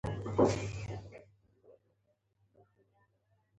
دې ورته وښيي چې د هېواد استازیتوب کوي.